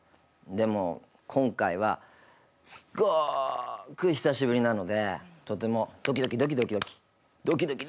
でも、今回はすっごく久しぶりなのでとてもドキドキ、ドキドキドキ。